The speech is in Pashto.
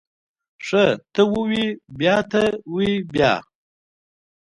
ښه ته ووی بيا ته وی بيا.